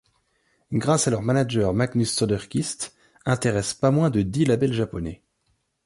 Grâce à leur manager Magnus Söderkvist, ' intéresse pas moins de dix labels japonais.